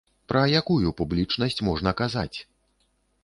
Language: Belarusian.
Пра якую публічнасць можна казаць?